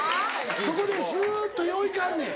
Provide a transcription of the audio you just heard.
そこでスっとよういかんねん。